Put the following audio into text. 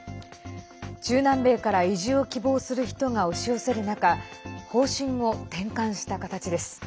中南米から移住を希望する人が押し寄せる中方針を転換した形です。